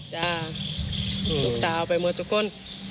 ใช่ลูกเต้าเอาไปเมื่อสุดข้น